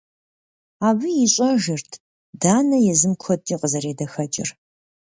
Абы ищӏэжырт Данэ езым куэдкӏэ къызэредэхэкӏыр.